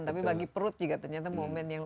tapi bagi perut juga ternyata momen yang